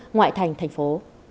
ngoại thành thành phố